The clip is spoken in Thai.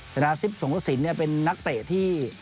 ชนะซิปสงสินเนี่ยเป็นนักเตะที่